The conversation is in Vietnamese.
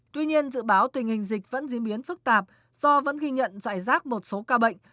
tuy nhiên dự báo tình hình dịch vẫn diễn biến phức tạp do vẫn ghi nhận giải rác một số ca bệnh